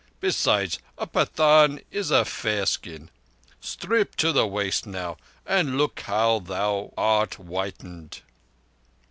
Besides, a Pathan is a fair skin. Strip to the waist now and look how thou art whitened."